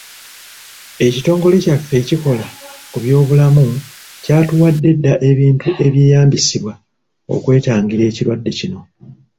Ekitongole kyaffe ekikola ku by'obulamu kyatuwadde dda ebintu ebyeyambisibwa okwetangira ekirwadde kino.